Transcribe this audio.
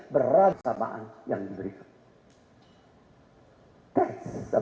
berat samaan yang diberikan